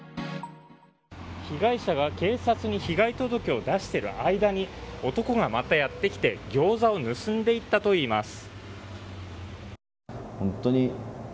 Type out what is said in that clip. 被害者が警察に被害届を出している間に男がまたやってきて、ギョーザを盗んでいったといいます。